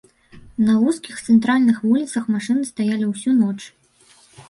На вузкіх цэнтральных вуліцах машыны стаялі ўсю ноч.